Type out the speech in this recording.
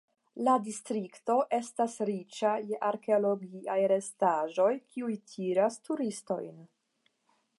La distrikto estas riĉa je arkeologiaj restaĵoj, kiuj tiras turistojn.